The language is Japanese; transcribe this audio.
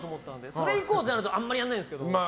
それ以降になるとあんまりやらないんですけど。